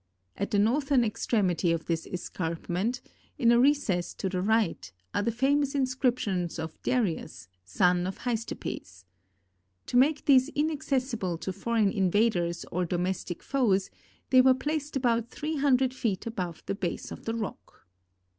At the northern extremity of this escarpment, in a recess to the right, are the famous inscriptions of Darius, son of Hystapes. To make these inaccessible to foreign invaders or domestic foes, they were placed about three hundred feet above the base of the rock.